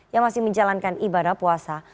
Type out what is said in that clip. yang masih menjalankan ibadah puasa